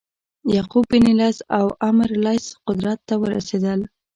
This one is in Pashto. یعقوب بن لیث او عمرو لیث قدرت ته ورسېدل.